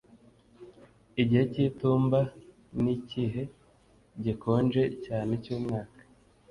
Igihe cy'itumba nikihe gikonje cyane cyumwaka.